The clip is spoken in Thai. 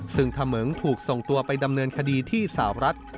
ซึ่งเขมิงถูกส่งตัวไปดำเนินคดีที่สาวรัฐ